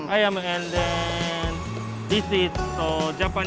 ayam dan ini teh jepang